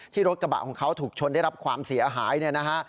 รถกระบะของเขาถูกชนได้รับความเสียหายเนี่ยนะฮะ